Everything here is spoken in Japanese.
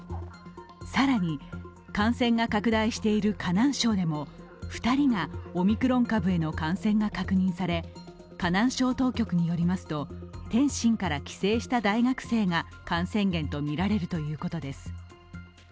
更に感染が拡大している河南省でも２人がオミクロン株への感染が確認され河南省当局によりますと天津から帰省した大学生が感染源とみられるということです。